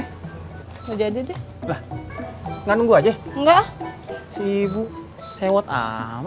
nggak jadi deh enggak nunggu aja enggak sibuk sewot amat